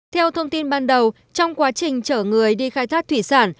theo thông tin ban đầu trong quá trình chở người đi khai thác thủy sản